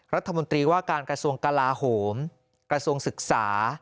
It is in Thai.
รัฐมนตรีว่าการกระทรวงกลาโหมกระทรวงศึกษา